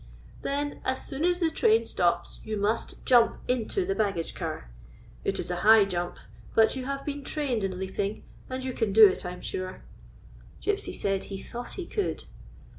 "Then as soon as the train stops you must jump into the baggage car. It is a high jump; but you have been trained in leaping, and you can do it, I 'm sure." Gypsy said he thought he could.